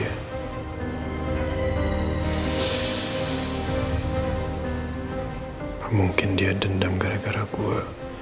apa mungkin dia dendam gara gara gua